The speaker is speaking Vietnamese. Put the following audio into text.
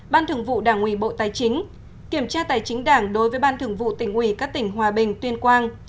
ban thường vụ đảng ủy bộ tài chính kiểm tra tài chính đảng đối với ban thường vụ tỉnh ủy các tỉnh hòa bình tuyên quang